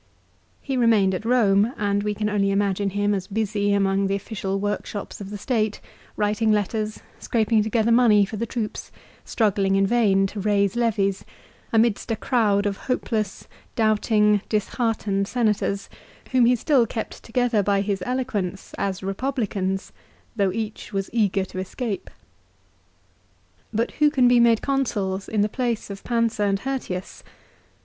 He remained at Rome and we can only imagine him as busy among the official workshops of the State, writing letters, scraping together money for the troops, struggling in vain to raise levies, amidst a crowd of hopeless, doubting, disheartened Senators whom he still kept together by his eloquence as Republicans,' though each was eager to escape. But who can be made Consuls in the place of Pansa and 280 LIFE OF CICERO. Hirtius